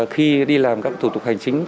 khi đi làm các thủ tục hành chính